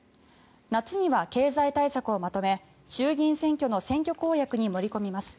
夏には経済対策をまとめ衆議院選挙の選挙公約に盛り込みます。